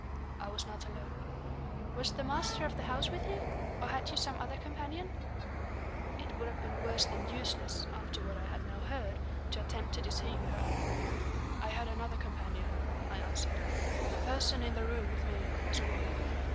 "I was not alone." "Was the master of the house with you? or had you some other companion?" It would have been worse than useless (after what I had now heard) to attempt to deceive her. "I had another companion," I answered. "The person in the room with me was a woman."